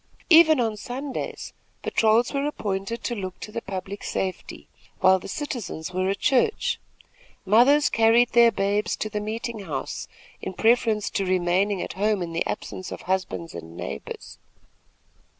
Even on Sundays, patrols were appointed to look to the public safety while the citizens were at church. Mothers carried their babes to the meeting house in preference to remaining at home in the absence of husbands and neighbors.